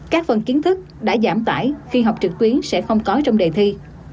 các phần kiến thức đã giảm tải khi học trực tuyến sẽ không có trong đề thi